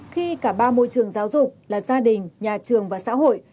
khi cả ba môi trường giáo dục là gia đình nhà trường và xã hội